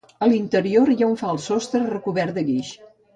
A l'interior hi ha un fals sostre recobert de guix.